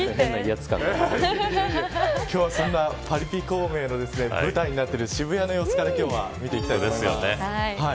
今日はそんなパリピ孔明の舞台になっている渋谷の様子から見ていきたいと思います。